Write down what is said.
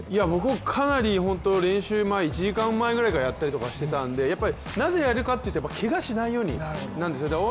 僕もかなり本当練習を１時間前ぐらいからやったりしてたのでやっぱり、なぜやるかっていうとけがしないようになんですよね。